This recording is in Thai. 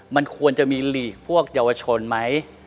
มันควรจะมีหลีกพวกเยาวชนไหม